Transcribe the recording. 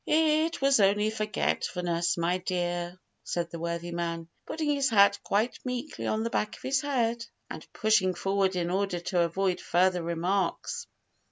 "It was only forgetfulness, my dear!" said the worthy man, putting his hat quite meekly on the back of his head, and pushing forward in order to avoid further remarks.